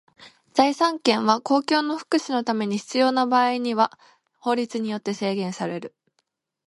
財産権は公共の福祉のために必要な場合には法律によって制限される。